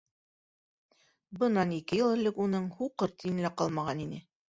Бынан ике йыл элек уның һуҡыр тине лә ҡалмаған ине.